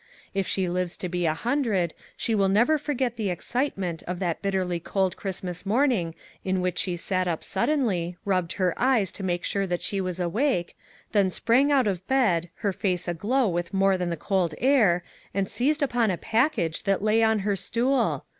If she lives to be a hundred, she will never forget the ex citement of that bitterly cold Christmas morn ing in which she sat up suddenly, rubbed her eyes to make sure that she was awake, then 24 "MERRY CHRISTMAS TO MAG" sprang out of bed, her face aglow with more than the cold air, and seized upon a package that lay on her stool!